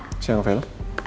selamat siang velo